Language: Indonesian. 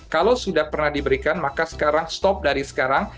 kalau sudah pernah diberikan maka sekarang stop dari sekarang